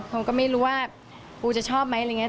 ผมก็ไม่รู้ว่าปูจะชอบไหมอะไรอย่างนี้